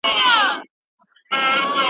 اقتصادي عدالت د ټولني هيله ده.